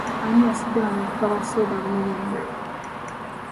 Ani yasudde wano obuccupa bwa sooda buno bwonna?